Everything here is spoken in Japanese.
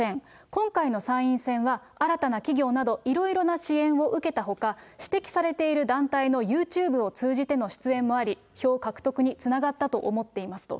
今回の参院選は、新たな企業などいろいろな支援を受けたほか、指摘されている団体のユーチューブを通じての出演もあり、票獲得につながったと思っていますと。